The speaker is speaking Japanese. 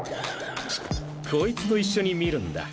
こいつと一緒に見るんだ。